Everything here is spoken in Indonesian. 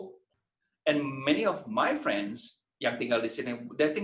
dan banyak teman saya yang tinggal di sini mereka pikir mereka tidak bisa